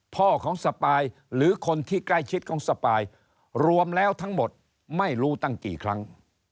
พ่อของสปายหรือคนที่ใกล้ชิดของสปายรวมแล้วทั้งหมดไม่รู้ตั้งกี่ครั้ง